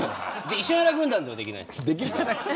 石原軍団とかできないですか。